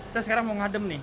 saya sekarang mau ngadem nih